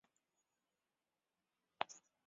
维拉尔圣克里斯托夫。